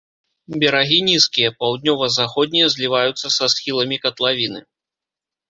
Берагі нізкія, паўднёва-заходнія зліваюцца са схіламі катлавіны.